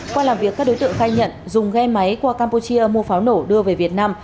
qua làm việc các đối tượng khai nhận dùng ghe máy qua campuchia mua pháo nổ đưa về việt nam